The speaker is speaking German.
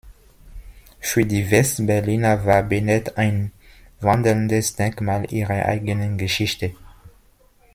Für die West-Berliner war Bennett ein wandelndes Denkmal ihrer eigenen Geschichte.